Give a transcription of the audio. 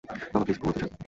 বাবা, প্লিজ ঘুমোতে যান।